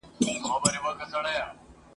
بیا به کله را پخلا سي مرور له کوره تللی ..